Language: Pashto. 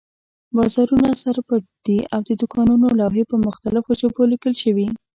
بازارونه سر پټ دي او د دوکانونو لوحې په مختلفو ژبو لیکل شوي.